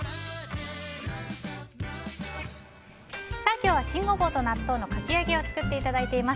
今日は新ゴボウと納豆のかき揚げを作っていただいています。